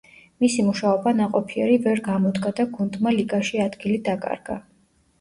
მისი მუშაობა ნაყოფიერი ვერ გამოდგა და გუნდმა ლიგაში ადგილი დაკარგა.